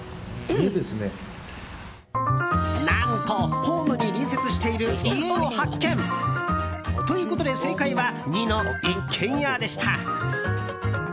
何とホームに隣接している家を発見。ということで、正解は２の一軒家でした。